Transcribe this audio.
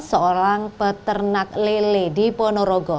seorang peternak lele di ponorogo